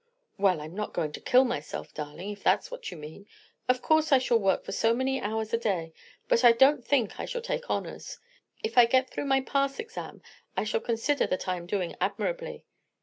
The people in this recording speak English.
"Well, I'm not going to kill myself, darling, if that's what you mean. Of course I shall work for so many hours a day; but I don't think I shall take honors. If I get through my pass exam., I shall consider that I am doing admirably.